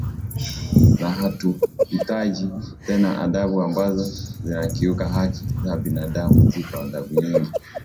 na hatuhitaji tena adhabu ambazo zinakiuka haki za binadamu ziko adhabu nyingi